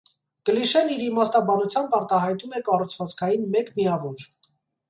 Կլիշեն իր իմաստաբանությամբ արտահայտում է կառուցվածքային մեկ միավոր։